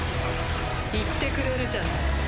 言ってくれるじゃない。